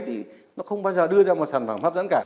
thì nó không bao giờ đưa ra một sản phẩm hấp dẫn cả